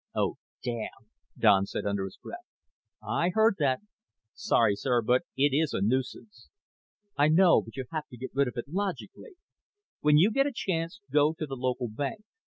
"Oh, damn," Don said under his breath. "I heard that." "Sorry, sir, but it is a nuisance." "I know, but you have to get rid of it logically. When you get a chance go to the local bank.